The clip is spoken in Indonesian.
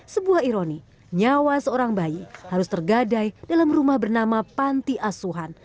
sebuah ironi nyawa seorang bayi harus tergadai dalam rumah bernama panti asuhan